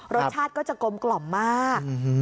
รสชาติก็จะกลมกล่อมมาก